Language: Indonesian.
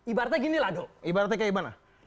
ibaratnya ginilah dong ibaratnya kayak gimana